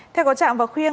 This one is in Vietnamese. theo có trạng và khuyên